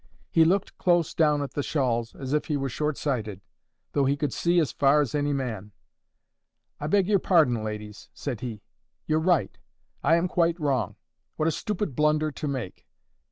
'He looked close down at the shawls, as if he were short sighted, though he could see as far as any man. "I beg your pardon, ladies," said he, "you're right. I am quite wrong. What a stupid blunder to make!